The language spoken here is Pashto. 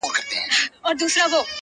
چي یې پاڼي کړو پرواز لره وزري-